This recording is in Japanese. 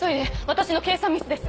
私の計算ミスです！